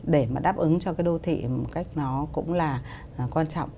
để mà đáp ứng cho cái đô thị một cách nó cũng là quan trọng